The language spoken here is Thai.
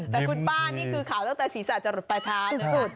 แต่คุณป้านี่คือขาวตั้งแต่ศีรษะจรุดประชานะ